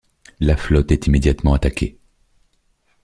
La flotte est immédiatement attaquée.